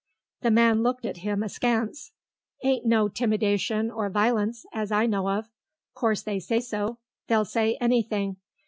The man looked at him askance. "Ain't no 'timidation or violence, as I know of. 'Course they say so; they'll say anything.